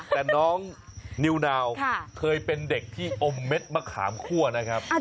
แต่น้องนิวนาวเคยเป็นเด็กที่อมเม็ดมะขามคั่วนะครับ